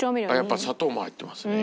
やっぱ砂糖も入ってますね。